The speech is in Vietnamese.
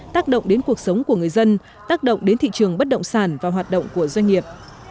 tác động đến cuộc sống của người dân tác động đến thị trường bất động sản và hoạt động của doanh nghiệp